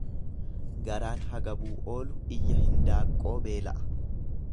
Garaan hagabuu oolu, iyya hin daaqqoo beela'a.